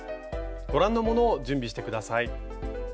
ご覧のものを準備して下さい。